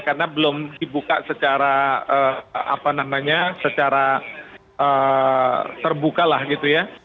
karena belum dibuka secara terbuka lah gitu ya